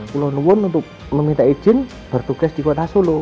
kulonwun untuk meminta izin bertugas di kota solo